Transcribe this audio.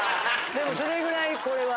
でもそれぐらいこれは。